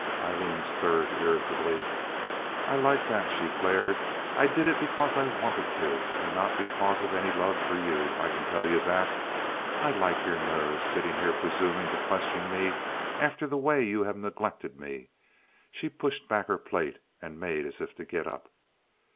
Aileen stirred irritably. "I like that," she flared. "I did it because I wanted to, and not because of any love for you—I can tell you that. I like your nerve sitting here presuming to question me after the way you have neglected me." She pushed back her plate, and made as if to get up.